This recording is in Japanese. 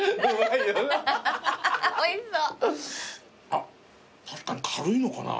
あっ確かに軽いのかな。